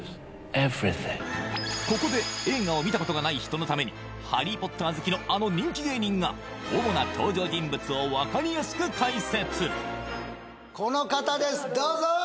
ここで映画を見たことがない人のために「ハリー・ポッター」好きのあの人気芸人が主な登場人物を分かりやすく解説この方ですどうぞ！